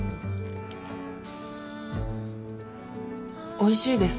おいしいです。